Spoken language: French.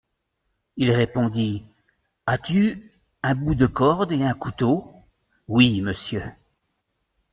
Il répondit : As-tu un bout de corde et un couteau ? Oui, monsieur.